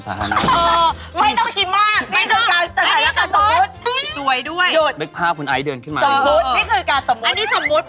ฮะเอาสวยจริงไม่ต้องสมมติแต่อันนี้คือสถานการณ์สมมติ